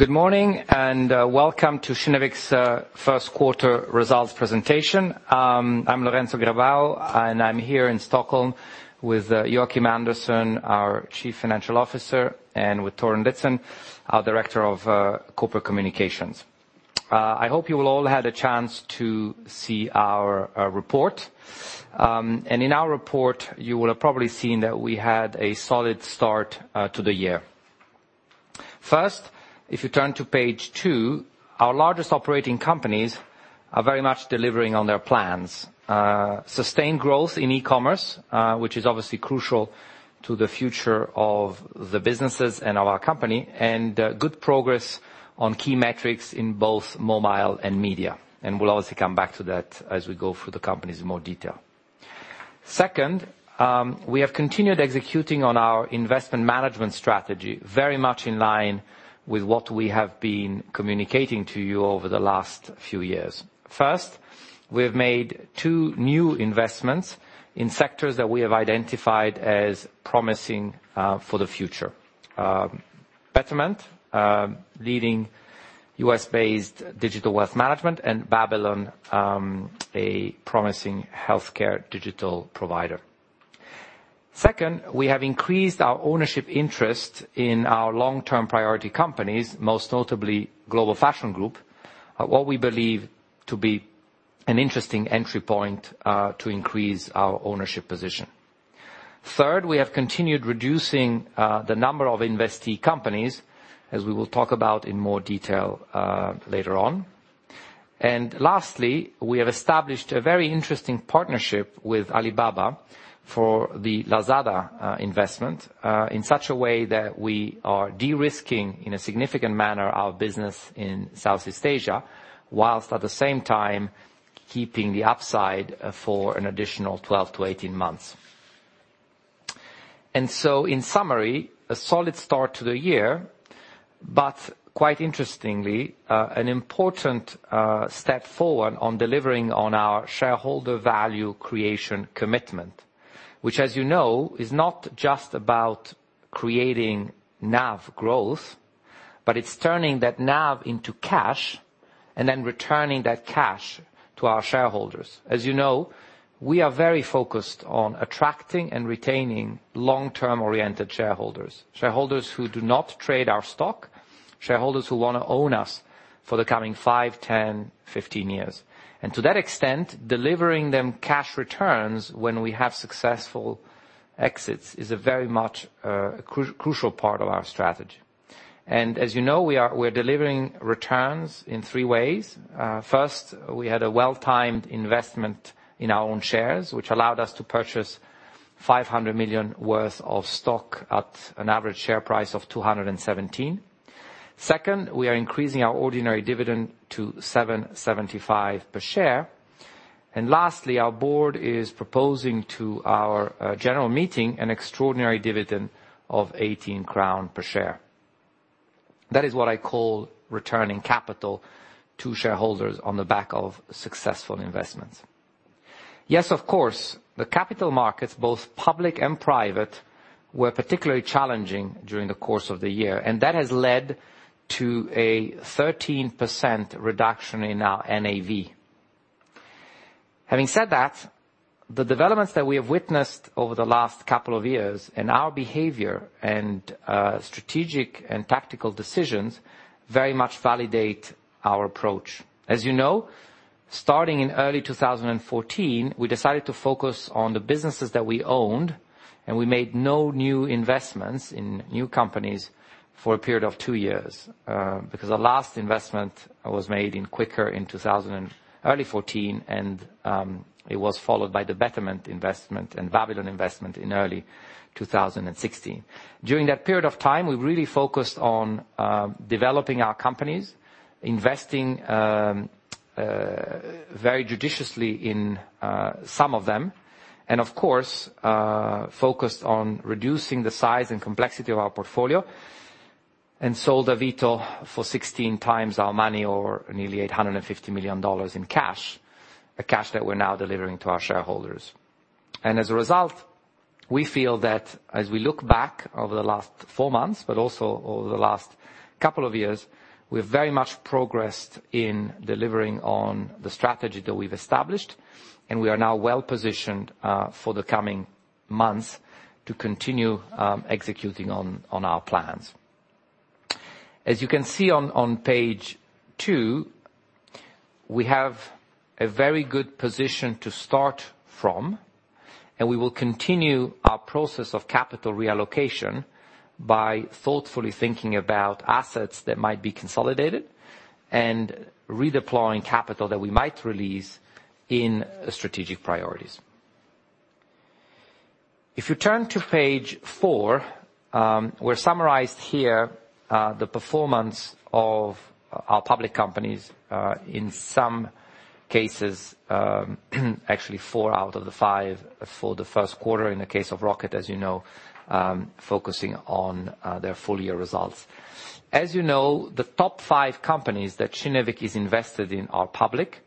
Good morning, welcome to Kinnevik's first quarter results presentation. I'm Lorenzo Grabau, and I'm here in Stockholm with Joakim Andersson, our Chief Financial Officer, and with Torun Litzén, our Director of Corporate Communications. I hope you all had a chance to see our report. In our report, you will have probably seen that we had a solid start to the year. First, if you turn to page two, our largest operating companies are very much delivering on their plans. Sustained growth in e-commerce, which is obviously crucial to the future of the businesses and our company, and good progress on key metrics in both mobile and media. We'll also come back to that as we go through the companies in more detail. Second, we have continued executing on our investment management strategy, very much in line with what we have been communicating to you over the last few years. First, we have made two new investments in sectors that we have identified as promising for the future. Betterment, leading U.S.-based digital wealth management, and Babylon, a promising healthcare digital provider. Second, we have increased our ownership interest in our long-term priority companies, most notably Global Fashion Group, at what we believe to be an interesting entry point to increase our ownership position. Third, we have continued reducing the number of investee companies, as we will talk about in more detail later on. Lastly, we have established a very interesting partnership with Alibaba for the Lazada investment, in such a way that we are de-risking, in a significant manner, our business in Southeast Asia, whilst at the same time, keeping the upside for an additional 12-18 months. In summary, a solid start to the year, but quite interestingly, an important step forward on delivering on our shareholder value creation commitment, which, as you know, is not just about creating NAV growth, but it's turning that NAV into cash and then returning that cash to our shareholders. As you know, we are very focused on attracting and retaining long-term-oriented shareholders who do not trade our stock, shareholders who want to own us for the coming five, 10, 15 years. To that extent, delivering them cash returns when we have successful exits is a very much crucial part of our strategy. As you know, we're delivering returns in three ways. First, we had a well-timed investment in our own shares, which allowed us to purchase 500 million worth of stock at an average share price of 217. Second, we are increasing our ordinary dividend to 7.75 per share. Lastly, our board is proposing to our general meeting an extraordinary dividend of 18 crown per share. That is what I call returning capital to shareholders on the back of successful investments. Yes, of course, the capital markets, both public and private, were particularly challenging during the course of the year, and that has led to a 13% reduction in our NAV. Having said that, the developments that we have witnessed over the last couple of years and our behavior and strategic and tactical decisions very much validate our approach. As you know, starting in early 2014, we decided to focus on the businesses that we owned, and we made no new investments in new companies for a period of two years. Because the last investment was made in Quikr in early 2014, and it was followed by the Betterment investment and Babylon investment in early 2016. During that period of time, we really focused on developing our companies, investing very judiciously in some of them, and of course, focused on reducing the size and complexity of our portfolio, and sold Avito for 16 times our money or nearly $850 million in cash, a cash that we're now delivering to our shareholders. As a result, we feel that as we look back over the last four months, but also over the last couple of years, we've very much progressed in delivering on the strategy that we've established, and we are now well-positioned for the coming months to continue executing on our plans. As you can see on page two, we have a very good position to start from, and we will continue our process of capital reallocation by thoughtfully thinking about assets that might be consolidated and redeploying capital that we might release in strategic priorities. If you turn to page four, we've summarized here the performance of our public companies, in some cases, actually four out of the five, for the first quarter. In the case of Rocket, as you know, focusing on their full-year results. As you know, the top five companies that Kinnevik is invested in are public.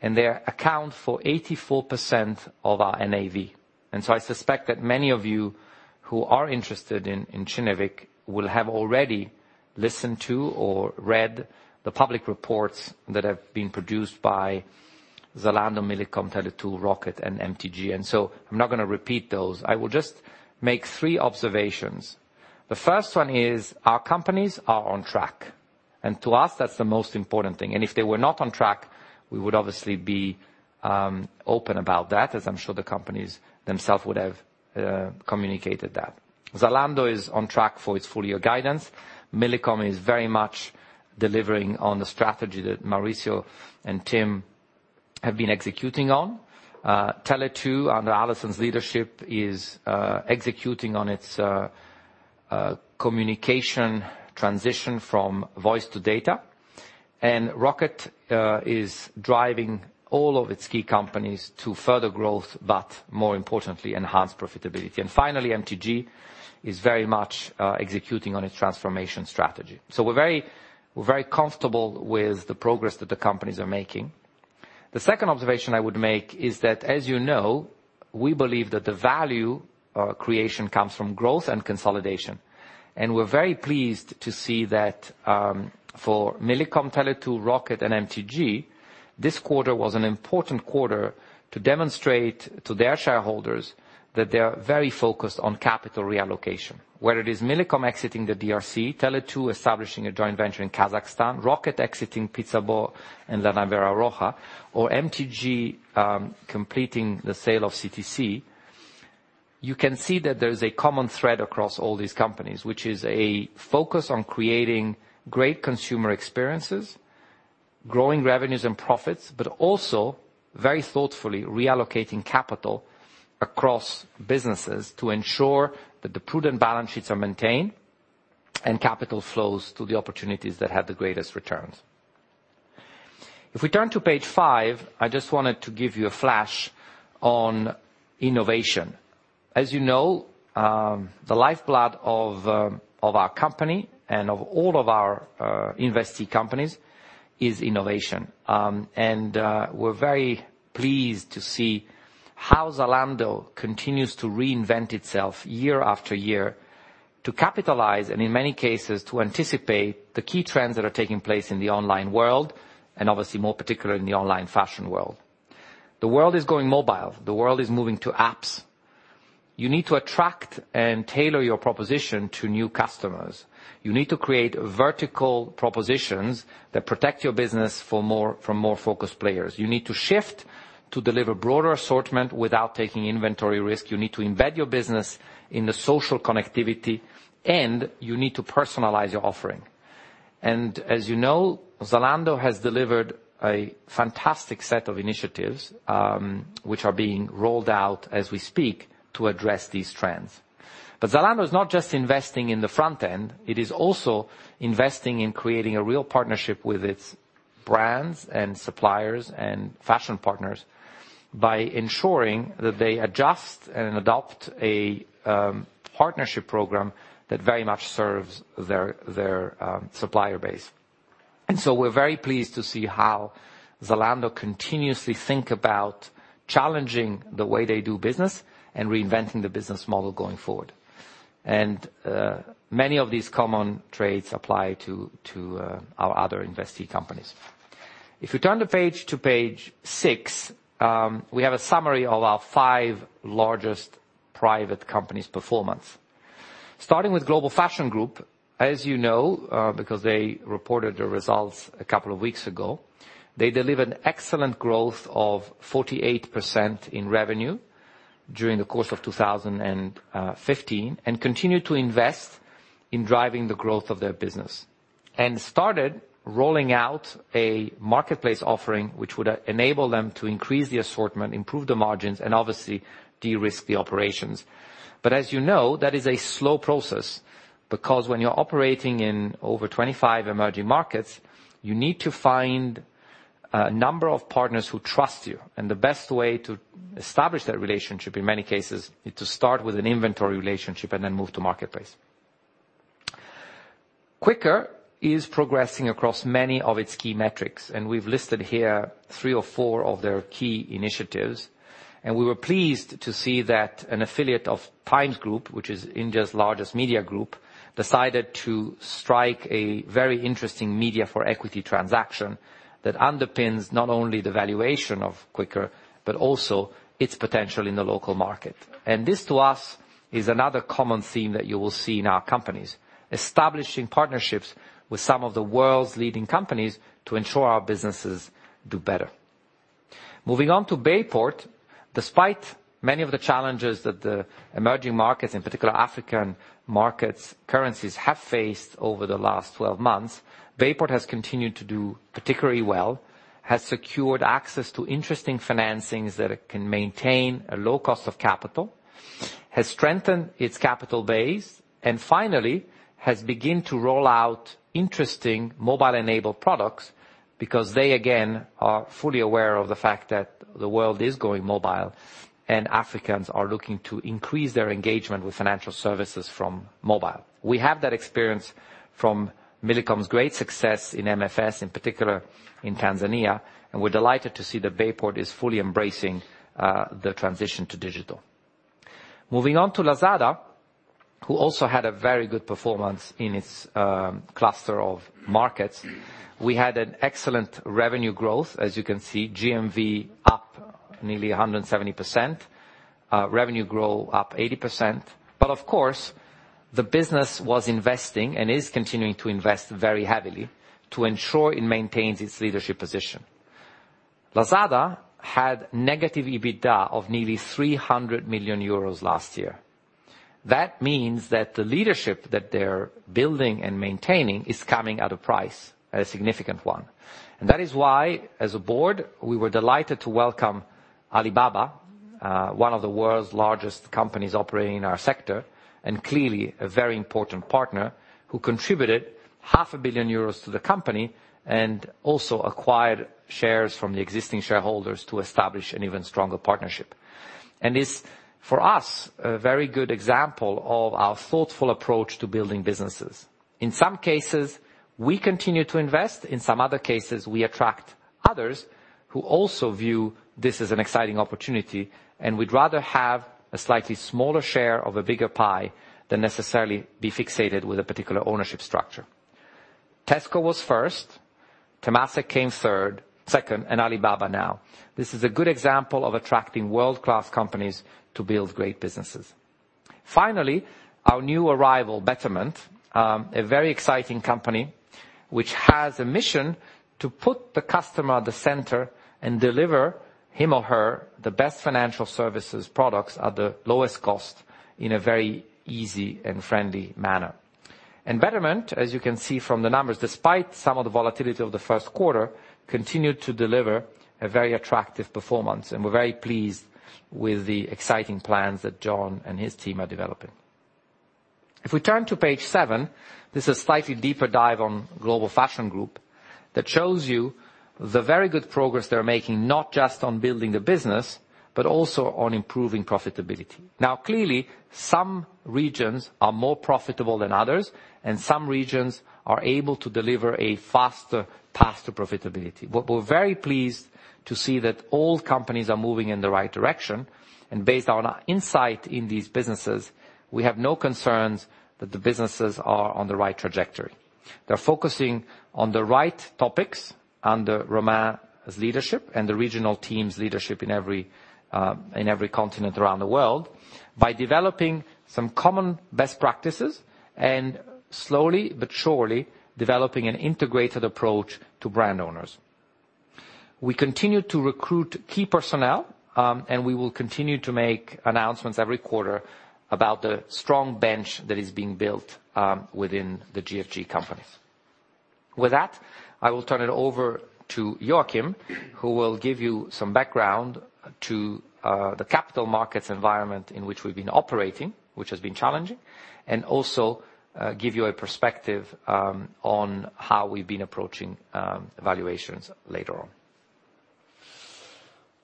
They account for 84% of our NAV. I suspect that many of you who are interested in Kinnevik will have already listened to or read the public reports that have been produced by Zalando, Millicom, Tele2, Rocket and MTG. I'm not going to repeat those. I will just make three observations. The first one is our companies are on track, and to us, that's the most important thing. If they were not on track, we would obviously be open about that, as I'm sure the companies themselves would have communicated that. Zalando is on track for its full-year guidance. Millicom is very much delivering on the strategy that Mauricio and Tim have been executing on. Tele2, under Allison's leadership, is executing on its communication transition from voice to data. Rocket is driving all of its key companies to further growth, but more importantly, enhanced profitability. Finally, MTG is very much executing on its transformation strategy. We're very comfortable with the progress that the companies are making. The second observation I would make is that, as you know, we believe that the value creation comes from growth and consolidation. We're very pleased to see that for Millicom, Tele2, Rocket and MTG, this quarter was an important quarter to demonstrate to their shareholders that they are very focused on capital reallocation. Whether it is Millicom exiting the DRC, Tele2 establishing a joint venture in Kazakhstan, Rocket exiting PizzaBo and La Nevera Roja, or MTG completing the sale of CTC, you can see that there's a common thread across all these companies, which is a focus on creating great consumer experiences, growing revenues and profits, but also very thoughtfully reallocating capital across businesses to ensure that the prudent balance sheets are maintained and capital flows to the opportunities that have the greatest returns. If we turn to page five, I just wanted to give you a flash on innovation. As you know, the lifeblood of our company and of all of our investee companies is innovation. We're very pleased to see how Zalando continues to reinvent itself year after year to capitalize and, in many cases, to anticipate the key trends that are taking place in the online world, and obviously more particularly in the online fashion world. The world is going mobile. The world is moving to apps. You need to attract and tailor your proposition to new customers. You need to create vertical propositions that protect your business from more focused players. You need to shift to deliver broader assortment without taking inventory risk. You need to embed your business in the social connectivity, and you need to personalize your offering. As you know, Zalando has delivered a fantastic set of initiatives, which are being rolled out as we speak to address these trends. Zalando is not just investing in the front end, it is also investing in creating a real partnership with its brands and suppliers and fashion partners by ensuring that they adjust and adopt a partnership program that very much serves their supplier base. So we're very pleased to see how Zalando continuously think about challenging the way they do business and reinventing the business model going forward. Many of these common traits apply to our other investee companies. If we turn the page to page six, we have a summary of our five largest private companies' performance. Starting with Global Fashion Group, as you know, because they reported the results a couple of weeks ago, they delivered excellent growth of 48% in revenue during the course of 2015 and continued to invest in driving the growth of their business and started rolling out a marketplace offering which would enable them to increase the assortment, improve the margins, and obviously de-risk the operations. As you know, that is a slow process because when you're operating in over 25 emerging markets, you need to find a number of partners who trust you. The best way to establish that relationship, in many cases, is to start with an inventory relationship and then move to marketplace. Quikr is progressing across many of its key metrics, and we've listed here three or four of their key initiatives. We were pleased to see that an affiliate of The Times Group, which is India's largest media group, decided to strike a very interesting media for equity transaction that underpins not only the valuation of Quikr, but also its potential in the local market. This, to us, is another common theme that you will see in our companies, establishing partnerships with some of the world's leading companies to ensure our businesses do better. Moving on to Bayport, despite many of the challenges that the emerging markets, in particular African markets currencies have faced over the last 12 months, Bayport has continued to do particularly well, has secured access to interesting financings that it can maintain a low cost of capital, has strengthened its capital base, and finally, has begin to roll out interesting mobile-enabled products because they, again, are fully aware of the fact that the world is going mobile and Africans are looking to increase their engagement with financial services from mobile. We have that experience from Millicom's great success in MFS, in particular in Tanzania, and we're delighted to see that Bayport is fully embracing the transition to digital. Moving on to Lazada, who also had a very good performance in its cluster of markets. We had an excellent revenue growth. As you can see, GMV up nearly 170%, revenue growth up 80%. Of course, the business was investing and is continuing to invest very heavily to ensure it maintains its leadership position. Lazada had negative EBITDA of nearly 300 million euros last year. That means that the leadership that they're building and maintaining is coming at a price, a significant one. That is why, as a board, we were delighted to welcome Alibaba, one of the world's largest companies operating in our sector, and clearly a very important partner who contributed half a billion EUR to the company, and also acquired shares from the existing shareholders to establish an even stronger partnership. Is, for us, a very good example of our thoughtful approach to building businesses. In some cases, we continue to invest. In some other cases, we attract others who also view this as an exciting opportunity, we'd rather have a slightly smaller share of a bigger pie than necessarily be fixated with a particular ownership structure. Tesco was first, Temasek came second, Alibaba now. This is a good example of attracting world-class companies to build great businesses. Finally, our new arrival, Betterment, a very exciting company, which has a mission to put the customer at the center and deliver him or her the best financial services products at the lowest cost in a very easy and friendly manner. Betterment, as you can see from the numbers, despite some of the volatility of the first quarter, continued to deliver a very attractive performance, and we're very pleased with the exciting plans that Jon and his team are developing. If we turn to page seven, this is slightly deeper dive on Global Fashion Group that shows you the very good progress they're making not just on building the business, but also on improving profitability. Clearly, some regions are more profitable than others, and some regions are able to deliver a faster path to profitability. We're very pleased to see that all companies are moving in the right direction, and based on our insight in these businesses, we have no concerns that the businesses are on the right trajectory. They're focusing on the right topics under Romain's leadership and the regional team's leadership in every continent around the world by developing some common best practices and slowly but surely developing an integrated approach to brand owners. We continue to recruit key personnel, and we will continue to make announcements every quarter about the strong bench that is being built within the GFG companies. With that, I will turn it over to Joakim, who will give you some background to the capital markets environment in which we've been operating, which has been challenging, and also give you a perspective on how we've been approaching evaluations later on.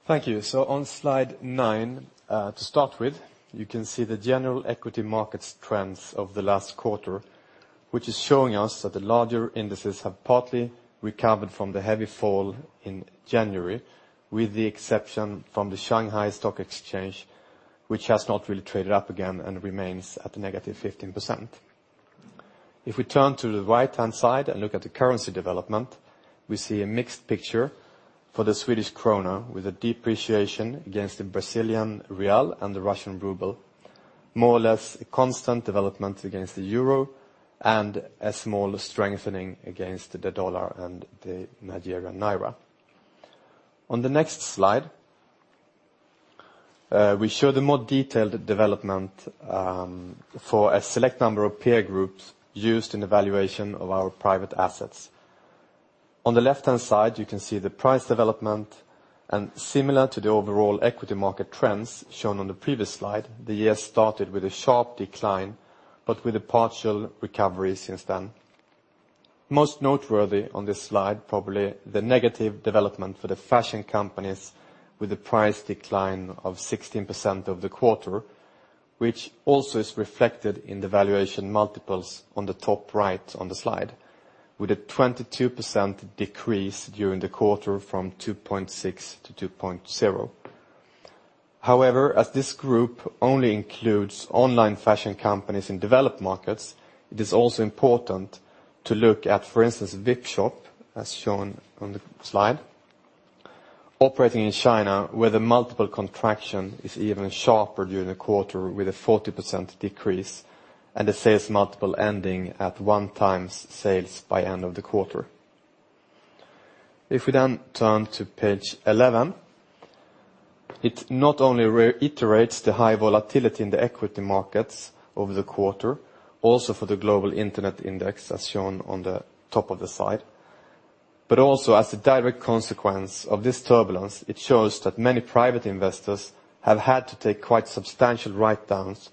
Thank you. On slide nine, to start with, you can see the general equity markets trends of the last quarter, which is showing us that the larger indices have partly recovered from the heavy fall in January, with the exception from the Shanghai Stock Exchange, which has not really traded up again and remains at -15%. If we turn to the right-hand side and look at the currency development, we see a mixed picture for the Swedish krona with a depreciation against the Brazilian real and the Russian ruble, more or less a constant development against the EUR, and a small strengthening against the $ and the Nigerian naira. On the next slide, we show the more detailed development for a select number of peer groups used in the valuation of our private assets. On the left-hand side, you can see the price development, similar to the overall equity market trends shown on the previous slide, the year started with a sharp decline, but with a partial recovery since then. Most noteworthy on this slide, probably the negative development for the fashion companies with a price decline of 16% of the quarter, which also is reflected in the valuation multiples on the top right on the slide with a 22% decrease during the quarter from 2.6-2.0. As this group only includes online fashion companies in developed markets, it is also important to look at, for instance, Vipshop, as shown on the slide, operating in China, where the multiple contraction is even sharper during the quarter with a 40% decrease, and the sales multiple ending at one times sales by end of the quarter. Turn to page 11, it not only reiterates the high volatility in the equity markets over the quarter, also for the global internet index, as shown on the top of the slide, but also as a direct consequence of this turbulence, it shows that many private investors have had to take quite substantial write-downs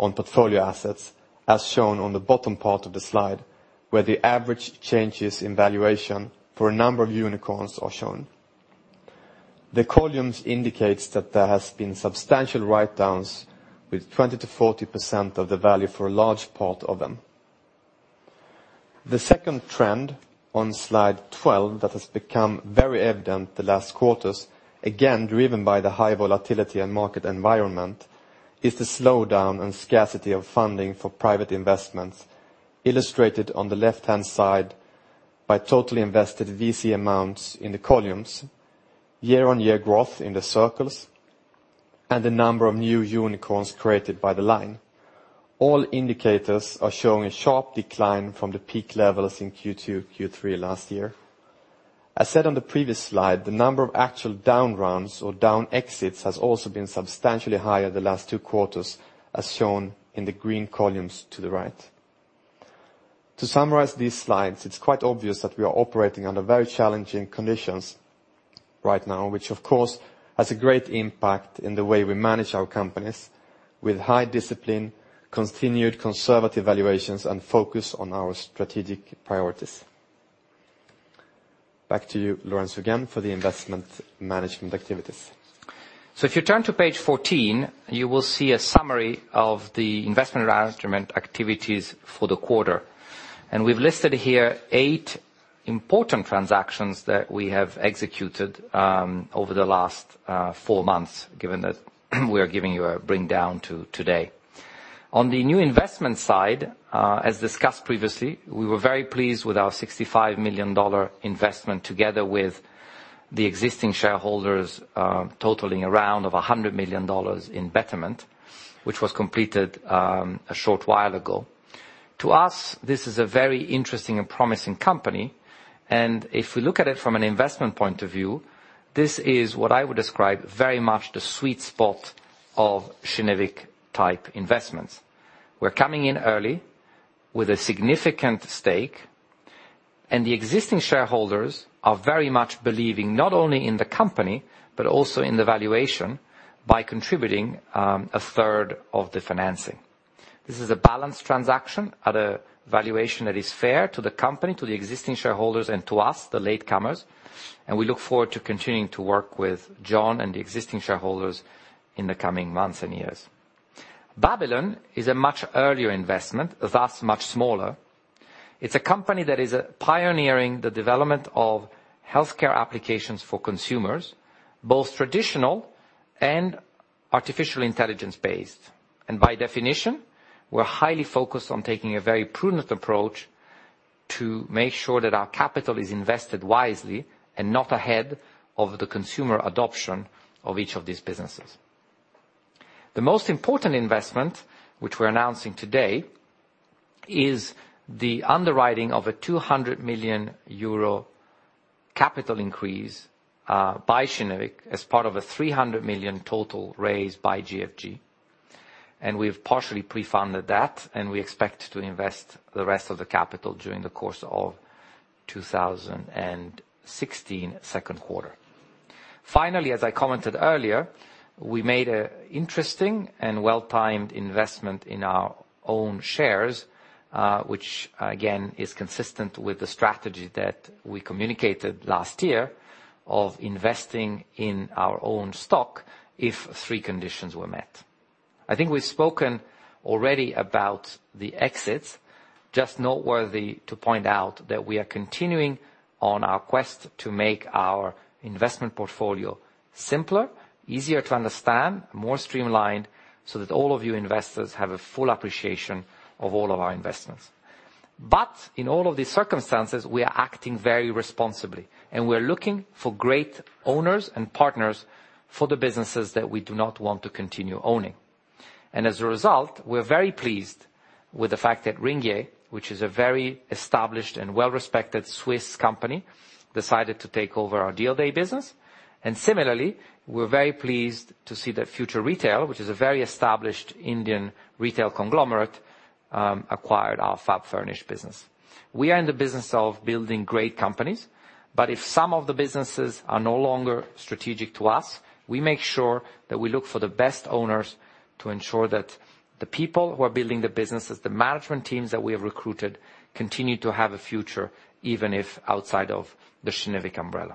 on portfolio assets, as shown on the bottom part of the slide, where the average changes in valuation for a number of unicorns are shown. The columns indicates that there has been substantial write-downs with 20%-40% of the value for a large part of them. The second trend on slide 12 that has become very evident the last quarters, again, driven by the high volatility and market environment, is the slowdown and scarcity of funding for private investments, illustrated on the left-hand side by totally invested VC amounts in the columns, year-on-year growth in the circles, and the number of new unicorns created by the line. All indicators are showing a sharp decline from the peak levels in Q2, Q3 last year. As said on the previous slide, the number of actual down rounds or down exits has also been substantially higher the last two quarters, as shown in the green columns to the right. To summarize these slides, it's quite obvious that we are operating under very challenging conditions right now, which of course has a great impact in the way we manage our companies with high discipline, continued conservative evaluations, and focus on our strategic priorities. Back to you, Lorenzo, again, for the investment management activities. If you turn to page 14, you will see a summary of the investment management activities for the quarter. We've listed here eight important transactions that we have executed over the last four months, given that we are giving you a bring down to today. On the new investment side, as discussed previously, we were very pleased with our $65 million investment together with the existing shareholders totaling around of $100 million in Betterment, which was completed a short while ago. To us, this is a very interesting and promising company, and if we look at it from an investment point of view, this is what I would describe very much the sweet spot of Kinnevik-type investments. We're coming in early with a significant stake. The existing shareholders are very much believing not only in the company but also in the valuation by contributing a third of the financing. This is a balanced transaction at a valuation that is fair to the company, to the existing shareholders, and to us, the latecomers. We look forward to continuing to work with Jon and the existing shareholders in the coming months and years. Babylon is a much earlier investment, thus much smaller. It's a company that is pioneering the development of healthcare applications for consumers, both traditional and artificial intelligence-based. By definition, we're highly focused on taking a very prudent approach to make sure that our capital is invested wisely and not ahead of the consumer adoption of each of these businesses. The most important investment which we're announcing today is the underwriting of a 200 million euro capital increase by Kinnevik as part of a 300 million total raise by GFG. We've partially pre-funded that, and we expect to invest the rest of the capital during the course of 2016, second quarter. Finally, as I commented earlier, we made an interesting and well-timed investment in our own shares, which again, is consistent with the strategy that we communicated last year of investing in our own stock if three conditions were met. I think we've spoken already about the exits. Just noteworthy to point out that we are continuing on our quest to make our investment portfolio simpler, easier to understand, more streamlined, so that all of you investors have a full appreciation of all of our investments. In all of these circumstances, we are acting very responsibly, and we're looking for great owners and partners for the businesses that we do not want to continue owning. As a result, we're very pleased with the fact that Ringier, which is a very established and well-respected Swiss company, decided to take over our DealDey business. Similarly, we're very pleased to see that Future Retail, which is a very established Indian retail conglomerate, acquired our FabFurnish business. We are in the business of building great companies, but if some of the businesses are no longer strategic to us, we make sure that we look for the best owners to ensure that the people who are building the businesses, the management teams that we have recruited, continue to have a future, even if outside of the Kinnevik umbrella.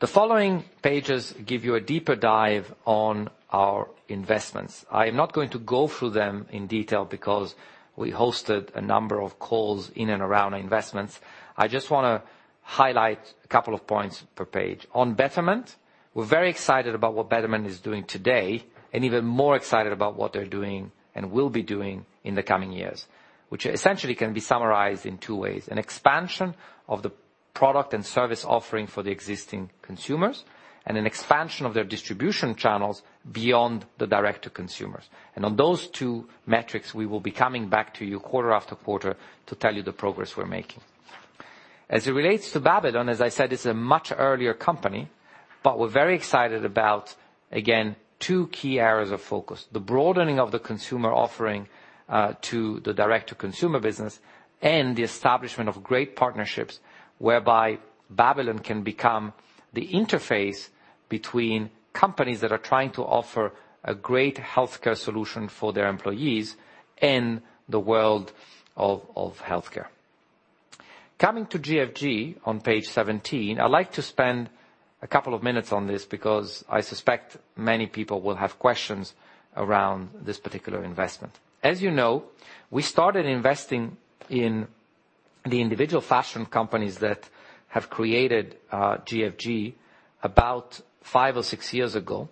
The following pages give you a deeper dive on our investments. I am not going to go through them in detail because we hosted a number of calls in and around our investments. I just want to highlight a couple of points per page. On Betterment, we're very excited about what Betterment is doing today and even more excited about what they're doing and will be doing in the coming years, which essentially can be summarized in two ways: an expansion of the product and service offering for the existing consumers, and an expansion of their distribution channels beyond the direct-to-consumers. On those two metrics, we will be coming back to you quarter after quarter to tell you the progress we're making. As it relates to Babylon, as I said, it's a much earlier company, but we're very excited about, again, two key areas of focus, the broadening of the consumer offering to the direct-to-consumer business and the establishment of great partnerships whereby Babylon can become the interface between companies that are trying to offer a great healthcare solution for their employees and the world of healthcare. Coming to GFG on page 17. I'd like to spend a couple of minutes on this because I suspect many people will have questions around this particular investment. As you know, we started investing in the individual fashion companies that have created GFG about five or six years ago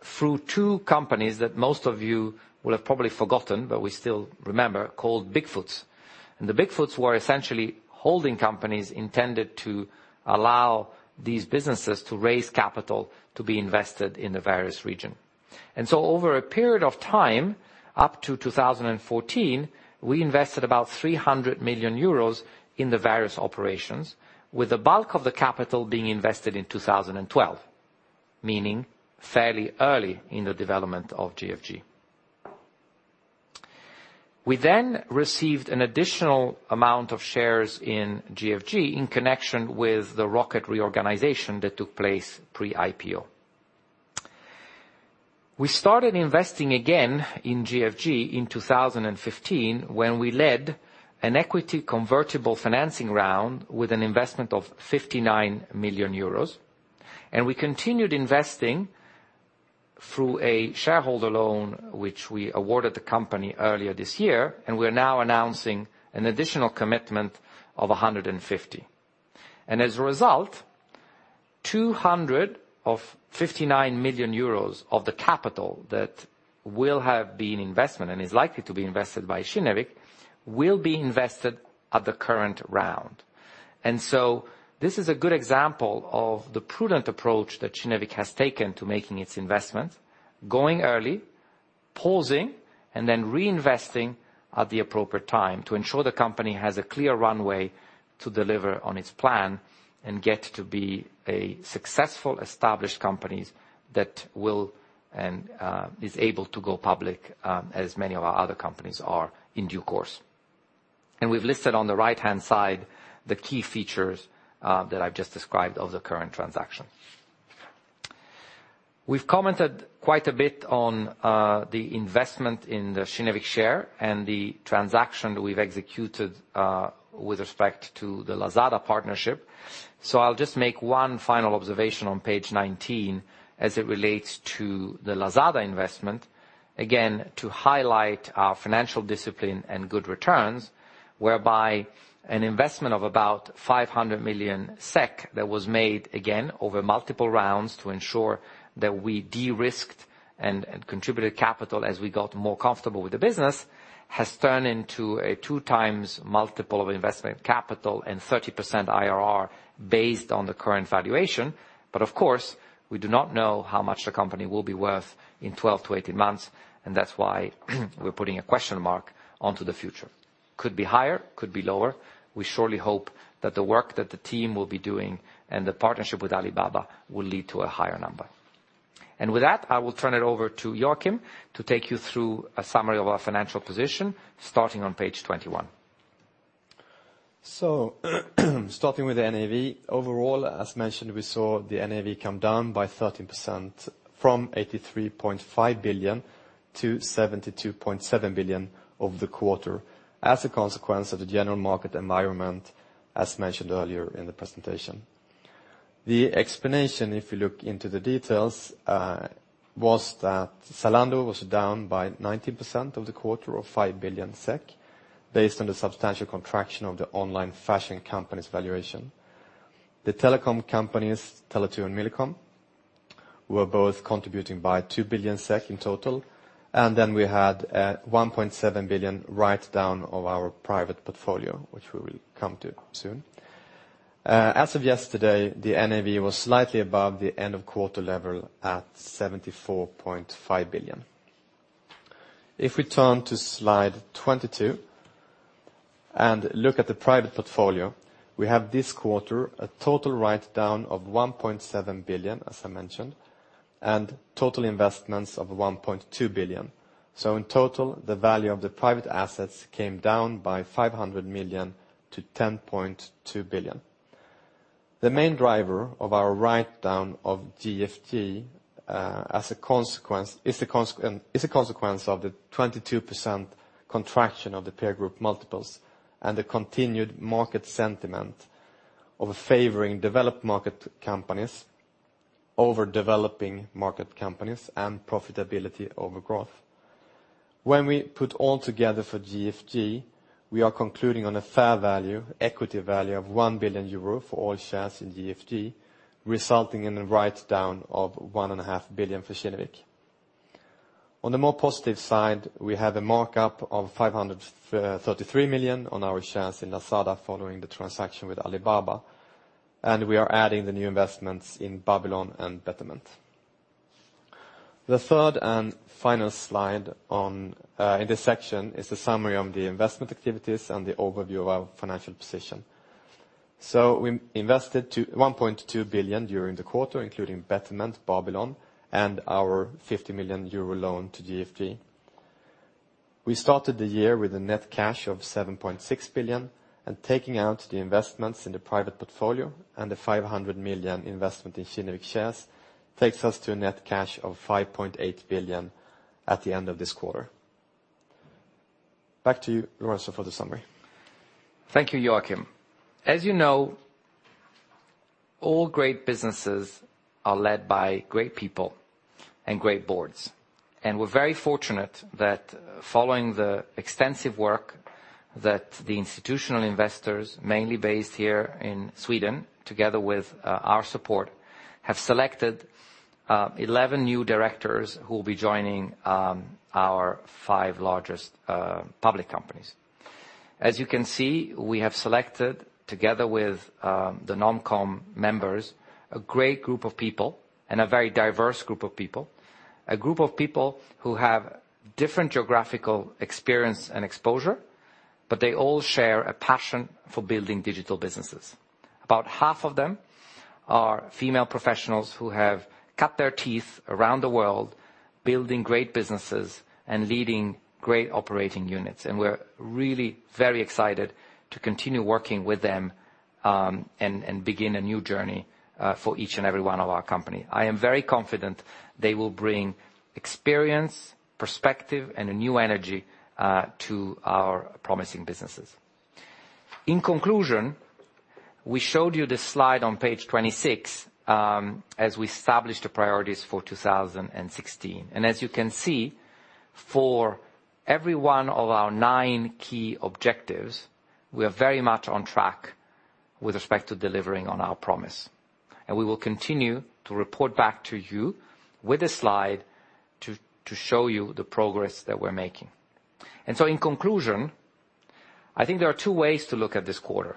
through two companies that most of you will have probably forgotten, but we still remember, called Bigfoot. The Bigfoots were essentially holding companies intended to allow these businesses to raise capital to be invested in the various region. Over a period of time, up to 2014, we invested about 300 million euros in the various operations, with the bulk of the capital being invested in 2012, meaning fairly early in the development of GFG. We then received an additional amount of shares in GFG in connection with the Rocket reorganization that took place pre-IPO. We started investing again in GFG in 2015, when we led an equity convertible financing round with an investment of 59 million euros. We continued investing through a shareholder loan, which we awarded the company earlier this year, and we are now announcing an additional commitment of 150. As a result, 200 of 59 million euros of the capital that will have been investment and is likely to be invested by Kinnevik, will be invested at the current round. This is a good example of the prudent approach that Kinnevik has taken to making its investments, going early, pausing, and then reinvesting at the appropriate time to ensure the company has a clear runway to deliver on its plan and get to be a successful, established companies that will and is able to go public, as many of our other companies are in due course. We've listed on the right-hand side the key features that I've just described of the current transaction. We've commented quite a bit on the investment in the Kinnevik share and the transaction that we've executed with respect to the Lazada partnership. I'll just make one final observation on page 19 as it relates to the Lazada investment, again, to highlight our financial discipline and good returns, whereby an investment of about 500 million SEK that was made again over multiple rounds to ensure that we de-risked and contributed capital as we got more comfortable with the business, has turned into a two times multiple of investment capital and 30% IRR based on the current valuation. Of course, we do not know how much the company will be worth in 12 to 18 months, and that's why we're putting a question mark onto the future. Could be higher, could be lower. We surely hope that the work that the team will be doing and the partnership with Alibaba will lead to a higher number. With that, I will turn it over to Joakim to take you through a summary of our financial position, starting on page 21. Starting with the NAV. Overall, as mentioned, we saw the NAV come down by 13%, from 83.5 billion to 72.7 billion over the quarter as a consequence of the general market environment, as mentioned earlier in the presentation. The explanation, if you look into the details, was that Zalando was down by 19% of the quarter of 5 billion SEK based on the substantial contraction of the online fashion company's valuation. The telecom companies, Tele2 and Millicom, were both contributing by 2 billion SEK in total, we had a 1.7 billion write-down of our private portfolio, which we will come to soon. As of yesterday, the NAV was slightly above the end of quarter level at 74.5 billion. If we turn to slide 22 and look at the private portfolio, we have this quarter a total write-down of 1.7 billion, as I mentioned, and total investments of 1.2 billion. In total, the value of the private assets came down by 500 million to 10.2 billion. The main driver of our write-down of GFG is a consequence of the 22% contraction of the peer group multiples and the continued market sentiment of favoring developed market companies over developing market companies and profitability over growth. When we put all together for GFG, we are concluding on a fair value, equity value of 1 billion euro for all shares in GFG, resulting in a write-down of 1.5 billion for Kinnevik. On the more positive side, we have a markup of 533 million on our shares in Lazada following the transaction with Alibaba, we are adding the new investments in Babylon and Betterment. The third and final slide in this section is a summary of the investment activities and the overview of our financial position. We invested 1.2 billion during the quarter, including Betterment, Babylon, and our 50 million euro loan to GFG. We started the year with a net cash of 7.6 billion, taking out the investments in the private portfolio and the 500 million investment in Kinnevik shares takes us to a net cash of 5.8 billion at the end of this quarter. Back to you, Lorenzo, for the summary. Thank you, Joakim. As you know, all great businesses are led by great people and great boards. We are very fortunate that following the extensive work that the institutional investors, mainly based here in Sweden, together with our support, have selected 11 new directors who will be joining our five largest public companies. As you can see, we have selected, together with the Nom Com members, a great group of people and a very diverse group of people. A group of people who have different geographical experience and exposure, but they all share a passion for building digital businesses. About half of them are female professionals who have cut their teeth around the world, building great businesses and leading great operating units. We are really very excited to continue working with them, and begin a new journey for each and every one of our company. I am very confident they will bring experience, perspective, and a new energy to our promising businesses. In conclusion, we showed you this slide on page 26, as we established the priorities for 2016. As you can see, for every one of our nine key objectives, we are very much on track with respect to delivering on our promise. We will continue to report back to you with a slide to show you the progress that we are making. In conclusion, I think there are two ways to look at this quarter.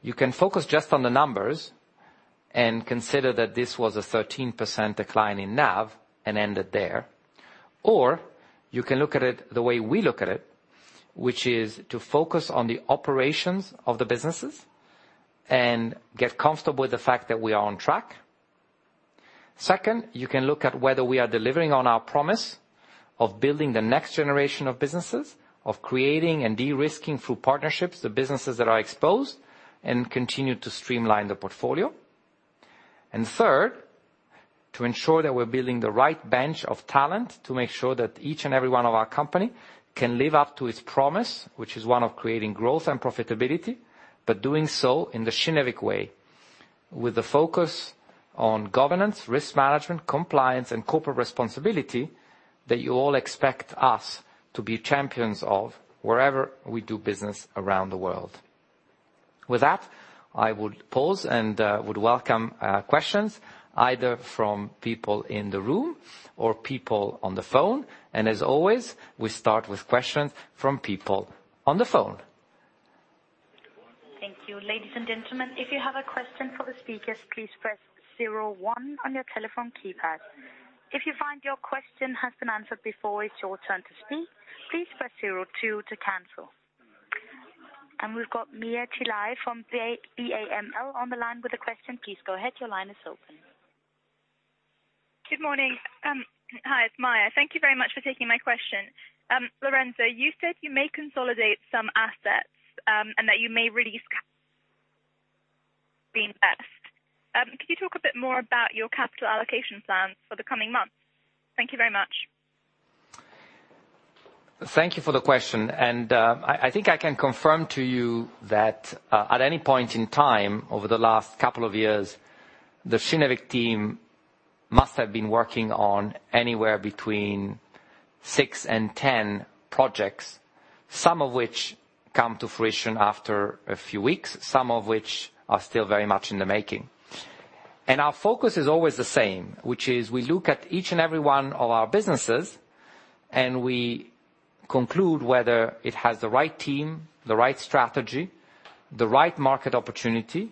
You can focus just on the numbers and consider that this was a 13% decline in NAV and end it there. You can look at it the way we look at it, which is to focus on the operations of the businesses and get comfortable with the fact that we are on track. Second, you can look at whether we are delivering on our promise of building the next generation of businesses, of creating and de-risking through partnerships the businesses that are exposed, and continue to streamline the portfolio. Third, to ensure that we are building the right bench of talent to make sure that each and every one of our company can live up to its promise, which is one of creating growth and profitability, but doing so in the Kinnevik way, with the focus on governance, risk management, compliance, and corporate responsibility that you all expect us to be champions of wherever we do business around the world. With that, I would pause and would welcome questions either from people in the room or people on the phone. As always, we start with questions from people on the phone. Thank you. Ladies and gentlemen, if you have a question for the speakers, please press 01 on your telephone keypad. If you find your question has been answered before it's your turn to speak, please press 02 to cancel. We've got Maya Chelay from BAML on the line with a question. Please go ahead. Your line is open. Good morning. Hi, it's Maya. Thank you very much for taking my question. Lorenzo, you said you may consolidate some assets, and that you may release being best. Can you talk a bit more about your capital allocation plans for the coming months? Thank you very much. Thank you for the question. I think I can confirm to you that at any point in time over the last couple of years, the Kinnevik team must have been working on anywhere between six and 10 projects, some of which come to fruition after a few weeks, some of which are still very much in the making. Our focus is always the same, which is we look at each and every one of our businesses, and we conclude whether it has the right team, the right strategy, the right market opportunity,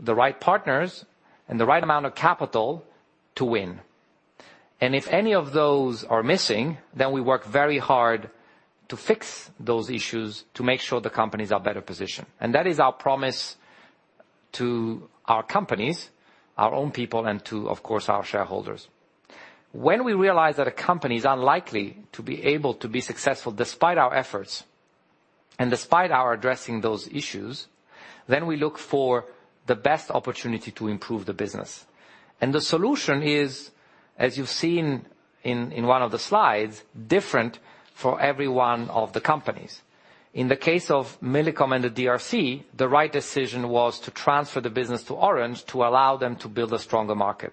the right partners, and the right amount of capital to win. If any of those are missing, then we work very hard to fix those issues to make sure the companies are better positioned. That is our promise to our companies, our own people, and to, of course, our shareholders. When we realize that a company's unlikely to be able to be successful despite our efforts and despite our addressing those issues, then we look for the best opportunity to improve the business. The solution is, as you've seen in one of the slides, different for every one of the companies. In the case of Millicom and the D.R.C., the right decision was to transfer the business to Orange to allow them to build a stronger market.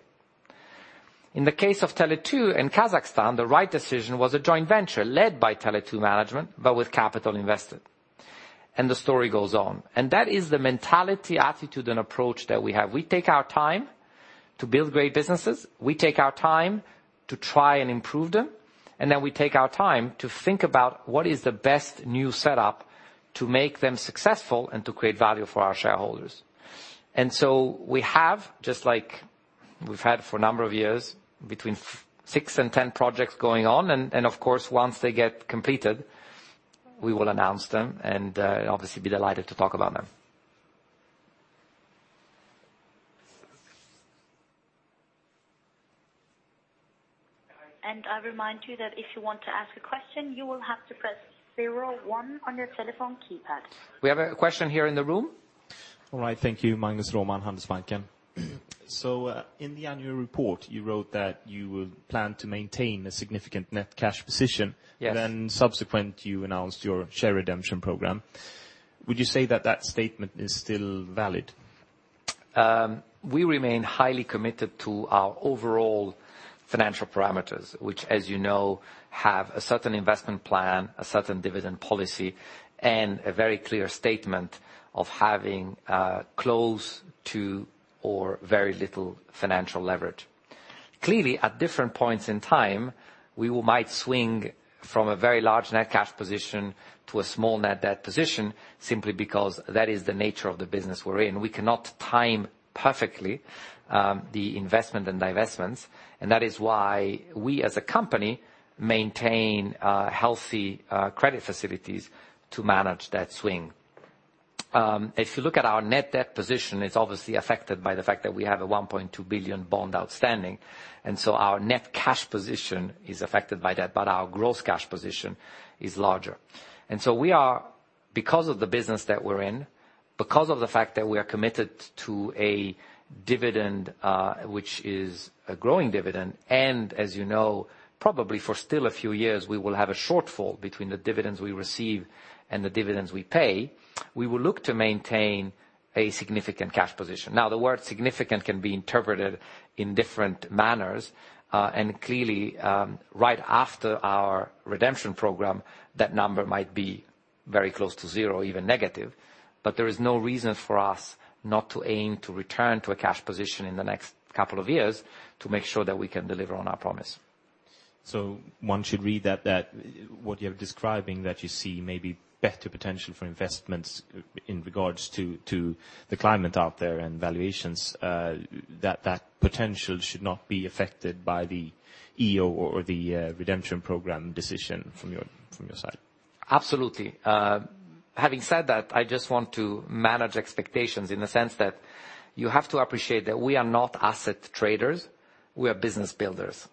In the case of Tele2 in Kazakhstan, the right decision was a joint venture led by Tele2 management, but with capital invested. The story goes on. That is the mentality, attitude, and approach that we have. We take our time to build great businesses. We take our time to try and improve them, then we take our time to think about what is the best new setup to make them successful and to create value for our shareholders. We have, just like we've had for a number of years, between six and 10 projects going on. Of course, once they get completed, we will announce them and obviously be delighted to talk about them. I remind you that if you want to ask a question, you will have to press zero one on your telephone keypad. We have a question here in the room. All right. Thank you, Magnus Roman, Handelsbanken. In the annual report, you wrote that you will plan to maintain a significant net cash position. Yes. Subsequent, you announced your share redemption program. Would you say that that statement is still valid? We remain highly committed to our overall financial parameters, which as you know, have a certain investment plan, a certain dividend policy, and a very clear statement of having close to or very little financial leverage. Clearly, at different points in time, we might swing from a very large net cash position to a small net debt position, simply because that is the nature of the business we're in. We cannot time perfectly the investment and divestments, and that is why we, as a company, maintain healthy credit facilities to manage that swing. If you look at our net debt position, it's obviously affected by the fact that we have a 1.2 billion bond outstanding. Our net cash position is affected by that. Our gross cash position is larger. We are, because of the business that we're in, because of the fact that we are committed to a dividend, which is a growing dividend, and as you know, probably for still a few years, we will have a shortfall between the dividends we receive and the dividends we pay. We will look to maintain a significant cash position. The word significant can be interpreted in different manners. Clearly, right after our redemption program, that number might be very close to zero, even negative. There is no reason for us not to aim to return to a cash position in the next couple of years to make sure that we can deliver on our promise. One should read that what you're describing, that you see maybe better potential for investments in regards to the climate out there and valuations, that potential should not be affected by the EO or the redemption program decision from your side. Absolutely. Having said that, I just want to manage expectations in the sense that you have to appreciate that we are not asset traders, we are business builders.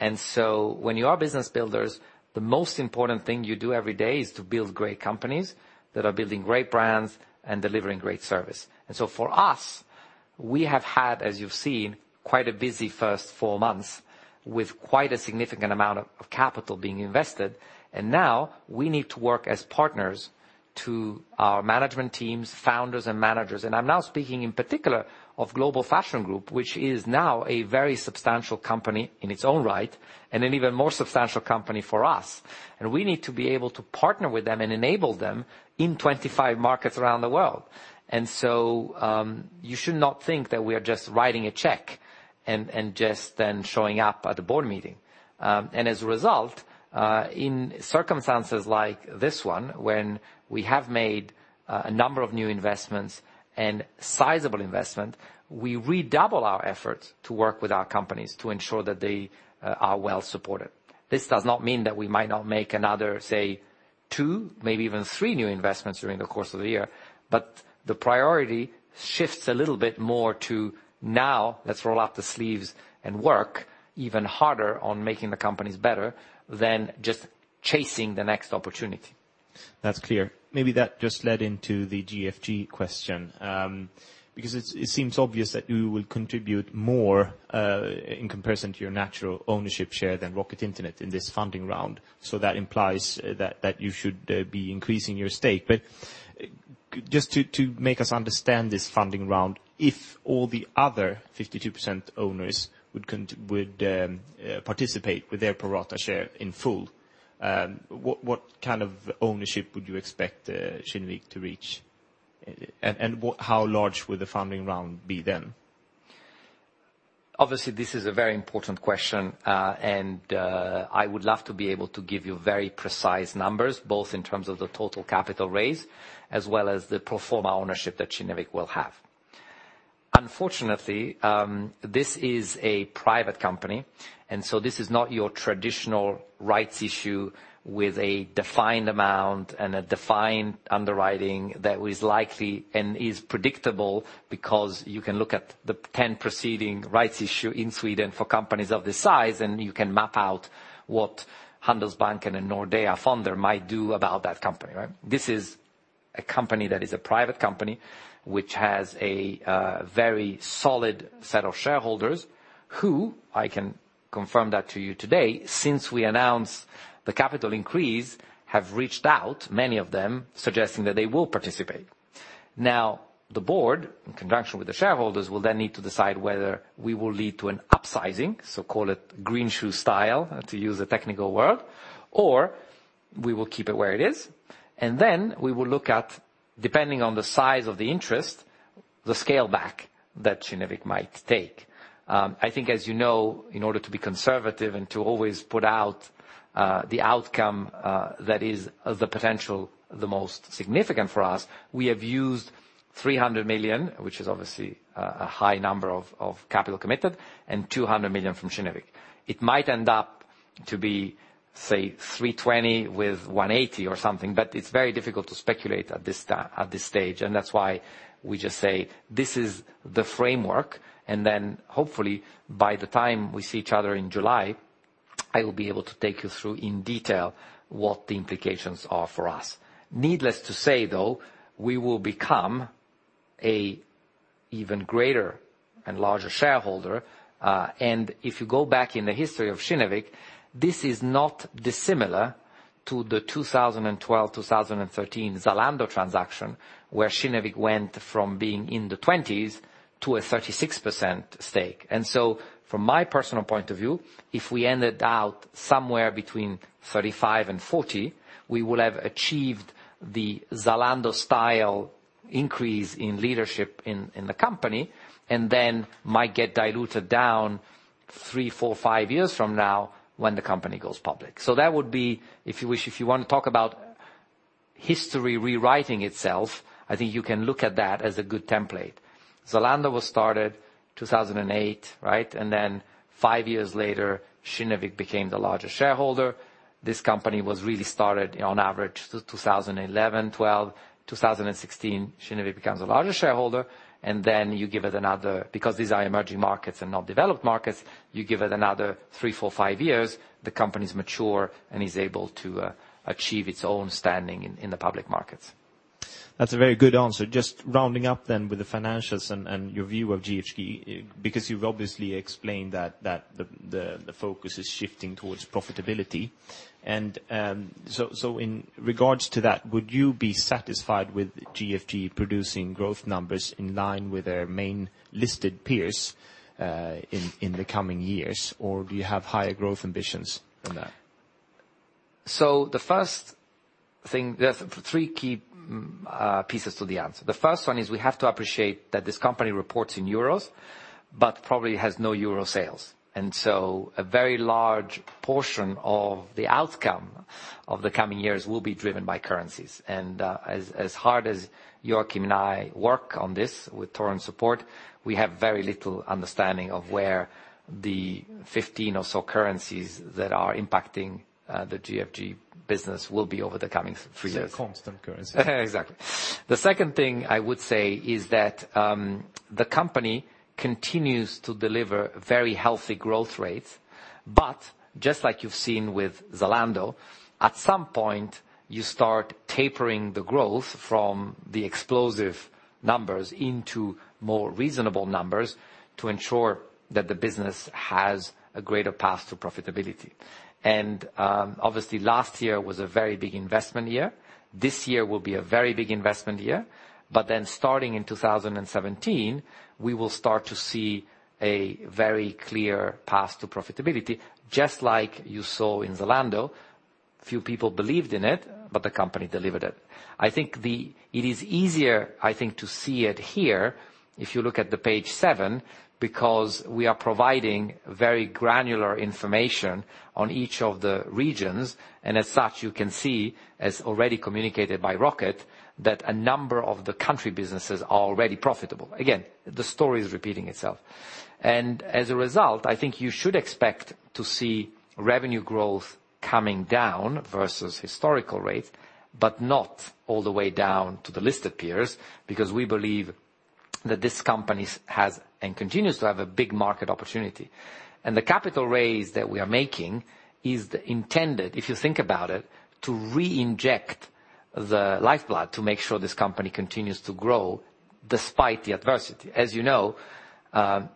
When you are business builders, the most important thing you do every day is to build great companies that are building great brands and delivering great service. For us, we have had, as you've seen, quite a busy first four months with quite a significant amount of capital being invested. Now we need to work as partners to our management teams, founders, and managers. I'm now speaking in particular of Global Fashion Group, which is now a very substantial company in its own right, and an even more substantial company for us. We need to be able to partner with them and enable them in 25 markets around the world. You should not think that we are just writing a check and just then showing up at the board meeting. As a result, in circumstances like this one, when we have made a number of new investments and sizable investment, we redouble our efforts to work with our companies to ensure that they are well supported. This does not mean that we might not make another, say, two, maybe even three new investments during the course of the year. The priority shifts a little bit more to now let's roll up the sleeves and work even harder on making the companies better than just chasing the next opportunity. That's clear. Maybe that just led into the GFG question. Because it seems obvious that you will contribute more, in comparison to your natural ownership share than Rocket Internet in this funding round. That implies that you should be increasing your stake. Just to make us understand this funding round, if all the other 52% owners would participate with their pro rata share in full, what kind of ownership would you expect Kinnevik to reach? How large would the funding round be then? Obviously, this is a very important question, and I would love to be able to give you very precise numbers, both in terms of the total capital raise as well as the pro forma ownership that Kinnevik will have. Unfortunately, this is a private company, and so this is not your traditional rights issue with a defined amount and a defined underwriting that is likely and is predictable because you can look at the 10 preceding rights issue in Sweden for companies of this size, and you can map out what Handelsbanken and Nordea Fonder might do about that company, right? This is a company that is a private company, which has a very solid set of shareholders who, I can confirm that to you today, since we announced the capital increase, have reached out, many of them suggesting that they will participate. The board, in conjunction with the shareholders, will then need to decide whether we will lead to an upsizing, so call it green shoe style, to use a technical word, or we will keep it where it is. We will look at, depending on the size of the interest, the scale back that Kinnevik might take. I think, as you know, in order to be conservative and to always put out the outcome that is the potential, the most significant for us, we have used 300 million, which is obviously a high number of capital committed, and 200 million from Kinnevik. It might end up to be, say, 320 million with 180 million or something, it's very difficult to speculate at this stage. That's why we just say, "This is the framework." Hopefully, by the time we see each other in July, I will be able to take you through in detail what the implications are for us. Needless to say, though, we will become an even greater and larger shareholder. If you go back in the history of Kinnevik, this is not dissimilar to the 2012-2013 Zalando transaction, where Kinnevik went from being in the 20s to a 36% stake. So from my personal point of view, if we ended out somewhere between 35% and 40%, we will have achieved the Zalando style increase in leadership in the company, and then might get diluted down three, four, five years from now when the company goes public. That would be, if you wish, if you want to talk about history rewriting itself, I think you can look at that as a good template. Zalando was started 2008, right? Five years later, Kinnevik became the largest shareholder. This company was really started on average 2011, 2012, 2016, Kinnevik becomes the largest shareholder, because these are emerging markets and not developed markets, you give it another three, four, five years, the company's mature and is able to achieve its own standing in the public markets. That's a very good answer. Just rounding up with the financials and your view of GFG, because you've obviously explained that the focus is shifting towards profitability. In regards to that, would you be satisfied with GFG producing growth numbers in line with their main listed peers, in the coming years? Do you have higher growth ambitions than that? The first thing, there are three key pieces to the answer. The first one is we have to appreciate that this company reports in euros, but probably has no euro sales. A very large portion of the outcome of the coming years will be driven by currencies. As hard as Joakim and I work on this with Torun support, we have very little understanding of where the 15 or so currencies that are impacting the GFG business will be over the coming three years. It's a constant currency. Exactly. The second thing I would say is that the company continues to deliver very healthy growth rates, but just like you've seen with Zalando, at some point, you start tapering the growth from the explosive numbers into more reasonable numbers to ensure that the business has a greater path to profitability. Obviously, last year was a very big investment year. This year will be a very big investment year. Starting in 2017, we will start to see a very clear path to profitability, just like you saw in Zalando. Few people believed in it, but the company delivered it. I think it is easier, I think, to see it here, if you look at the page seven, because we are providing very granular information on each of the regions, and as such, you can see, as already communicated by Rocket, that a number of the country businesses are already profitable. Again, the story is repeating itself. As a result, I think you should expect to see revenue growth coming down versus historical rates, but not all the way down to the listed peers, because we believe that this company has and continues to have a big market opportunity. The capital raise that we are making is intended, if you think about it, to reinject the lifeblood to make sure this company continues to grow despite the adversity. As you know,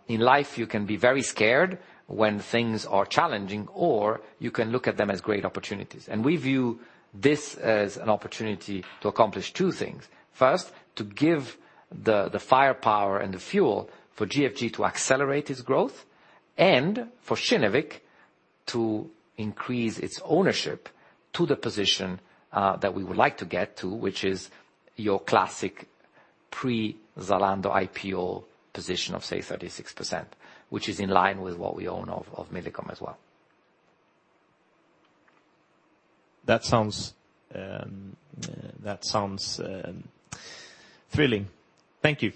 in life, you can be very scared when things are challenging, or you can look at them as great opportunities. We view this as an opportunity to accomplish two things. First, to give the firepower and the fuel for GFG to accelerate its growth and for Kinnevik to increase its ownership to the position that we would like to get to, which is your classic pre-Zalando IPO position of, say, 36%, which is in line with what we own of Millicom as well. That sounds thrilling. Thank you.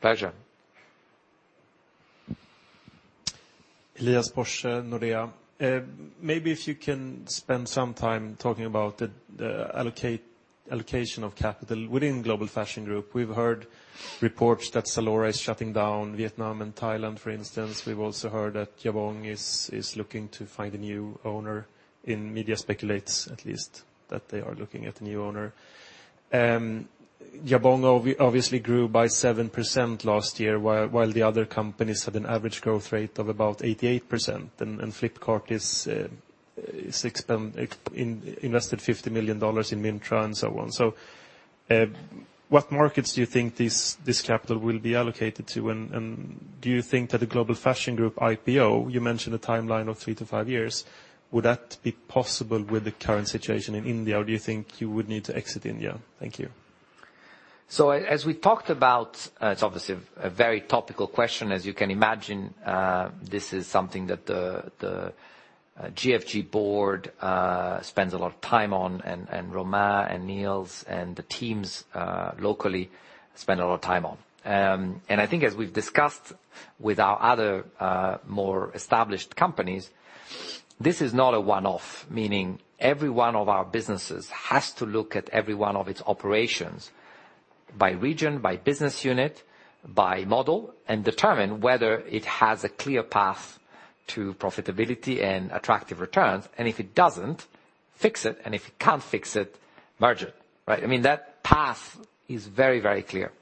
Pleasure. Elias Borse, Nordea. Maybe if you can spend some time talking about the allocation of capital within Global Fashion Group. We've heard reports that Zalora is shutting down Vietnam and Thailand, for instance. We've also heard that Jabong is looking to find a new owner, media speculates at least that they are looking at a new owner. Jabong obviously grew by 7% last year, while the other companies had an average growth rate of about 88%. Flipkart invested $50 million in Myntra and so on. What markets do you think this capital will be allocated to? Do you think that the Global Fashion Group IPO, you mentioned a timeline of three to five years, would that be possible with the current situation in India, or do you think you would need to exit India? Thank you. As we talked about, it's obviously a very topical question as you can imagine. This is something that the GFG board spends a lot of time on and Romain and Nils and the teams locally spend a lot of time on. I think as we've discussed with our other, more established companies, this is not a one-off, meaning every one of our businesses has to look at every one of its operations by region, by business unit, by model, and determine whether it has a clear path to profitability and attractive returns. If it doesn't, fix it, and if it can't fix it, merge it. That path is very clear.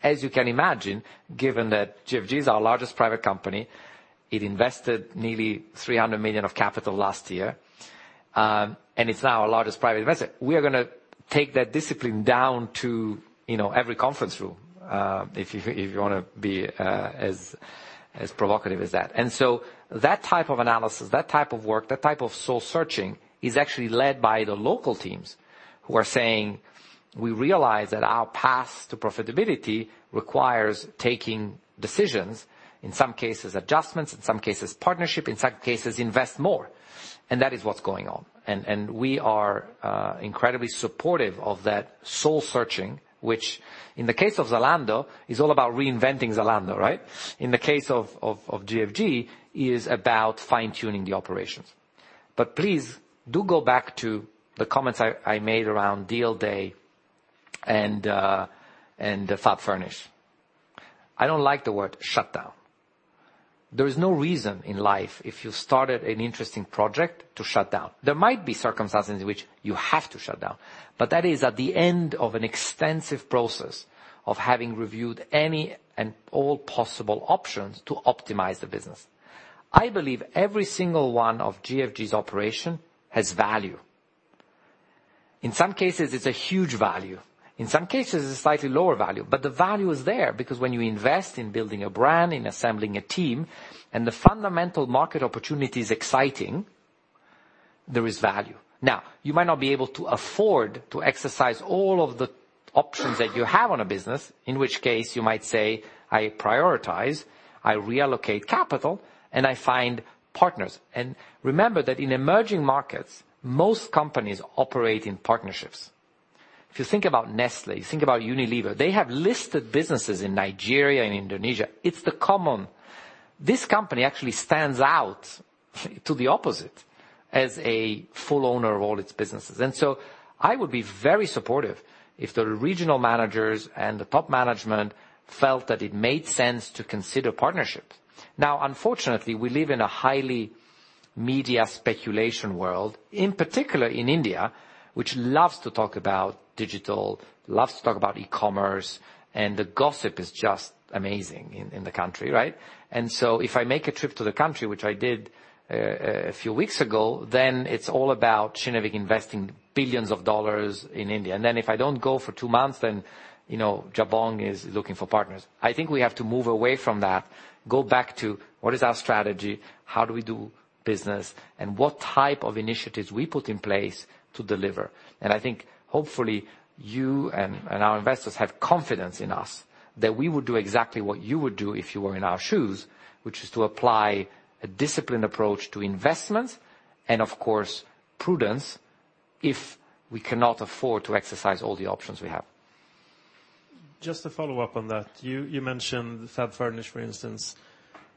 As you can imagine, given that GFG is our largest private company, it invested nearly 300 million of capital last year, and it's now our largest private investor. We are going to take that discipline down to every conference room, if you want to be as provocative as that. That type of analysis, that type of work, that type of soul-searching, is actually led by the local teams who are saying, "We realize that our path to profitability requires taking decisions, in some cases, adjustments, in some cases, partnership, in some cases, invest more." That is what's going on. We are incredibly supportive of that soul-searching, which in the case of Zalando, is all about reinventing Zalando. Right? In the case of GFG, is about fine-tuning the operations. Please, do go back to the comments I made around DealDey and FabFurnish. I don't like the word shutdown. There is no reason in life, if you started an interesting project, to shut down. There might be circumstances in which you have to shut down, that is at the end of an extensive process of having reviewed any and all possible options to optimize the business. I believe every single one of GFG's operation has value. In some cases, it's a huge value. In some cases, it's a slightly lower value. The value is there because when you invest in building a brand, in assembling a team, and the fundamental market opportunity is exciting, there is value. You might not be able to afford to exercise all of the options that you have on a business, in which case you might say, "I prioritize, I reallocate capital, and I find partners." Remember that in emerging markets, most companies operate in partnerships. If you think about Nestlé, think about Unilever, they have listed businesses in Nigeria and Indonesia. It's the common. This company actually stands out to the opposite as a full owner of all its businesses. I would be very supportive if the regional managers and the top management felt that it made sense to consider partnerships. Unfortunately, we live in a highly media speculation world, in particular in India, which loves to talk about digital, loves to talk about e-commerce, and the gossip is just amazing in the country. Right? If I make a trip to the country, which I did a few weeks ago, then it's all about Kinnevik investing billions of dollars in India. If I don't go for two months, then Jabong is looking for partners. I think we have to move away from that, go back to what is our strategy, how do we do business, and what type of initiatives we put in place to deliver. I think hopefully you and our investors have confidence in us that we would do exactly what you would do if you were in our shoes, which is to apply a disciplined approach to investments and of course, prudence if we cannot afford to exercise all the options we have. Just to follow up on that. You mentioned FabFurnish, for instance.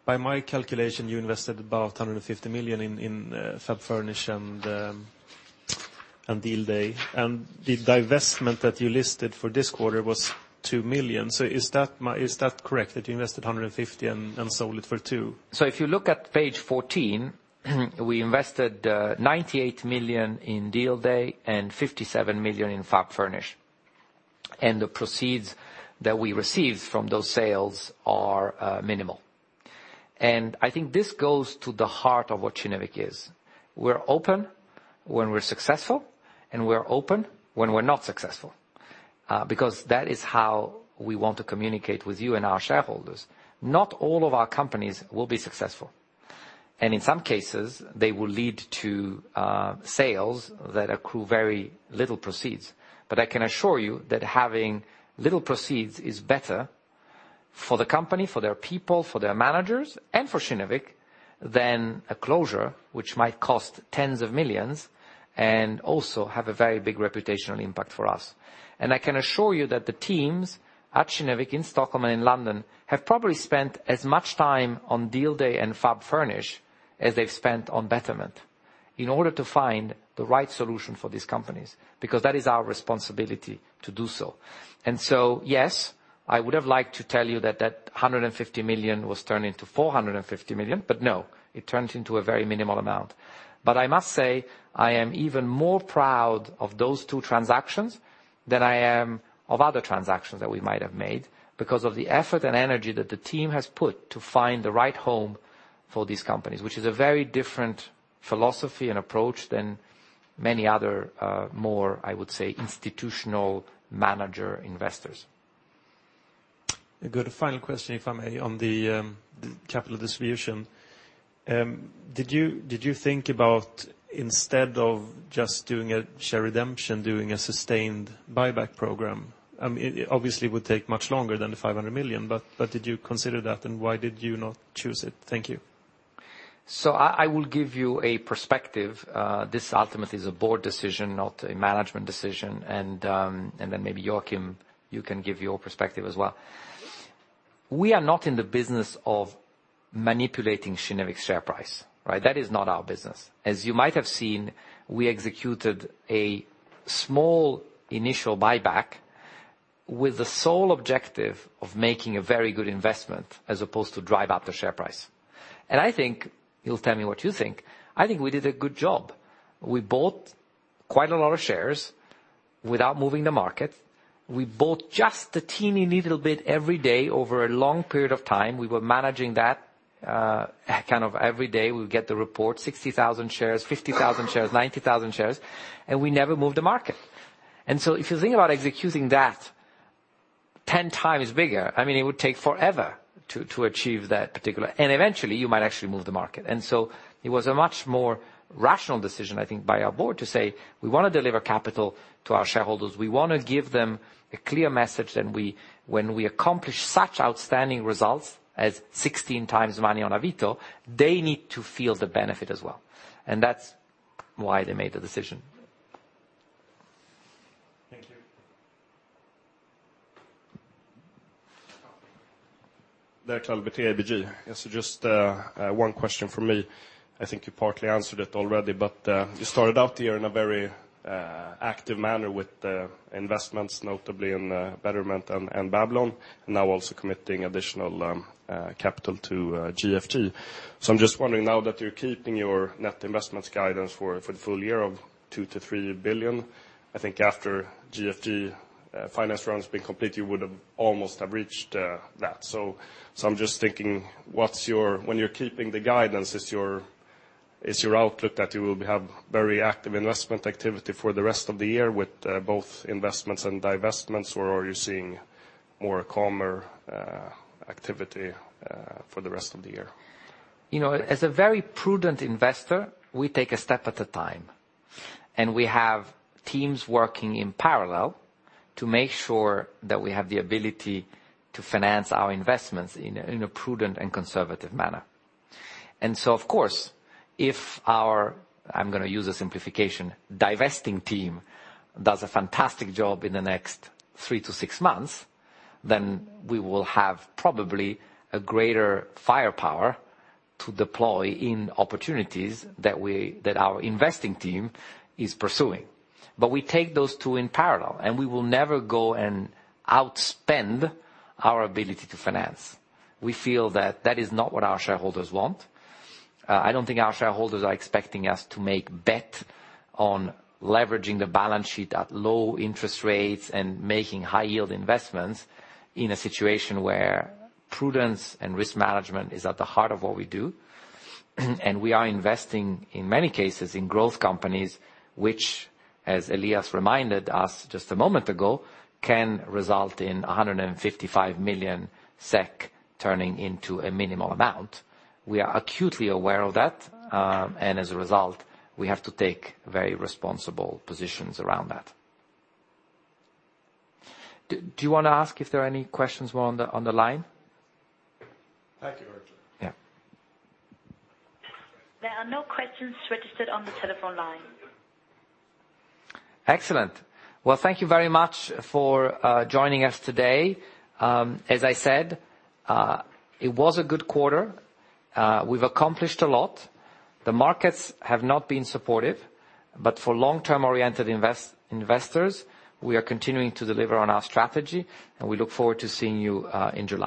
By my calculation, you invested about 250 million in FabFurnish and DealDey, and the divestment that you listed for this quarter was 2 million. Is that correct, that you invested 150 million and sold it for 2 million? If you look at page 14, we invested 98 million in DealDey and 57 million in FabFurnish, and the proceeds that we received from those sales are minimal. I think this goes to the heart of what Kinnevik is. We're open when we're successful and we're open when we're not successful, because that is how we want to communicate with you and our shareholders. Not all of our companies will be successful, and in some cases, they will lead to sales that accrue very little proceeds. I can assure you that having little proceeds is better for the company, for their people, for their managers, and for Kinnevik, than a closure which might cost tens of millions and also have a very big reputational impact for us. I can assure you that the teams at Kinnevik in Stockholm and in London have probably spent as much time on DealDey and FabFurnish as they've spent on Betterment in order to find the right solution for these companies, because that is our responsibility to do so. Yes, I would have liked to tell you that 150 million was turned into 450 million. No, it turned into a very minimal amount. I must say, I am even more proud of those two transactions than I am of other transactions that we might have made because of the effort and energy that the team has put to find the right home for these companies, which is a very different philosophy and approach than many other, more, I would say, institutional manager investors. Good. Final question, if I may, on the capital distribution. Did you think about instead of just doing a share redemption, doing a sustained buyback program? Obviously, it would take much longer than the 500 million, did you consider that and why did you not choose it? Thank you. I will give you a perspective. This ultimately is a board decision, not a management decision. Then maybe Joakim, you can give your perspective as well. We are not in the business of manipulating Kinnevik's share price. That is not our business. As you might have seen, we executed a small initial buyback with the sole objective of making a very good investment as opposed to drive up the share price. I think, you will tell me what you think, I think we did a good job. We bought quite a lot of shares without moving the market. We bought just a teeny weeny little bit every day over a long period of time. We were managing that, kind of every day we would get the report, 60,000 shares, 50,000 shares, 90,000 shares, and we never moved the market. If you think about executing that 10 times bigger, it would take forever to achieve that particular. Eventually you might actually move the market. It was a much more rational decision, I think, by our board to say, we want to deliver capital to our shareholders. We want to give them a clear message that when we accomplish such outstanding results as 16 times money on Avito, they need to feel the benefit as well. That is why they made the decision. Thank you. Bertil with ABG. Just one question from me. I think you partly answered it already, but you started out the year in a very active manner with investments notably in Betterment and Babylon, and now also committing additional capital to GFG. I am just wondering now that you are keeping your net investments guidance for the full year of 2 billion-3 billion, I think after GFG finance round has been complete, you would almost have reached that. I am just thinking, when you are keeping the guidance, is your outlook that you will have very active investment activity for the rest of the year with both investments and divestments? Or are you seeing more calmer activity for the rest of the year? As a very prudent investor, we take a step at a time, and we have teams working in parallel to make sure that we have the ability to finance our investments in a prudent and conservative manner. Of course, if our, I'm going to use a simplification, divesting team does a fantastic job in the next 3 to 6 months, then we will have probably a greater firepower to deploy in opportunities that our investing team is pursuing. We take those two in parallel, and we will never go and outspend our ability to finance. We feel that that is not what our shareholders want. I don't think our shareholders are expecting us to make bet on leveraging the balance sheet at low interest rates and making high yield investments in a situation where prudence and risk management is at the heart of what we do. We are investing, in many cases, in growth companies, which, as Elias reminded us just a moment ago, can result in 155 million SEK turning into a minimal amount. We are acutely aware of that, as a result, we have to take very responsible positions around that. Do you want to ask if there are any questions on the line? Thank you, Richard. Yeah. There are no questions registered on the telephone line. Excellent. Well, thank you very much for joining us today. As I said, it was a good quarter. We've accomplished a lot. The markets have not been supportive. For long-term oriented investors, we are continuing to deliver on our strategy. We look forward to seeing you in July.